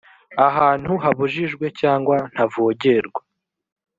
ahantu habujijwe cyangwa ntavogerwa